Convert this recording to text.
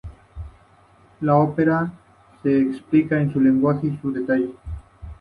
La ópera es explícita en su lenguaje y su detalle.